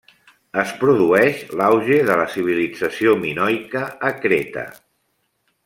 Es produeix l'auge de la civilització minoica a Creta.